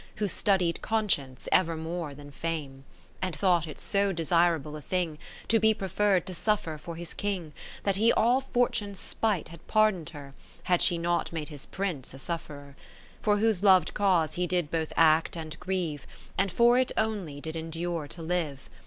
Who studied Conscience ever more than Fame ; And thought it so desirable a thing, To be preferr'd to suffer for his King, That he all Fortune's spite had pardon'd her. Had she not made his Prince a sufferer; For whose lov'd cause he did both act and grieve. And for it only did endure to live.